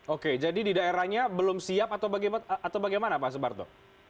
oke jadi di daerahnya belum siap atau bagaimana pak suparto